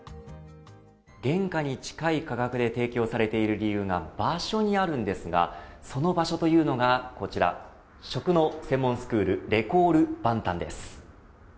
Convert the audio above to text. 原価に近い価格で提供されている理由が場所にあるんですがその場所というのがこちら食の専門スクールレコールバンタンです。